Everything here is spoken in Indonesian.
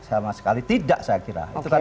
sama sekali tidak saya kira